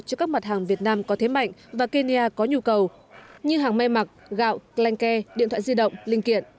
cho các mặt hàng việt nam có thế mạnh và kenya có nhu cầu như hàng may mặc gạo blanke điện thoại di động linh kiện